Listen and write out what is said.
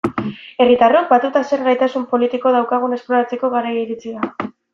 Herritarrok, batuta, zer gaitasun politiko daukagun esploratzeko garaia iritsi da.